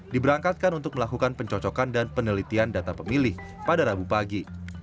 diberangkatkan untuk melakukan pencocokan dan penelitian data pemilih pada rabu pagi